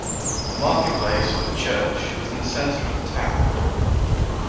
The market place with a church was in the centre of the town.